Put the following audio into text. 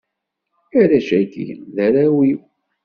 arrac-agi, d arraw-iw.